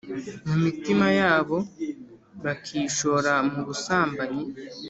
Mu mitima yabo bakishora mu busambanyi